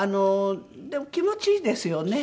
でも気持ちいいですよね。